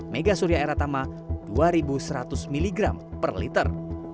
mega surya eratama dua seratus mg per liter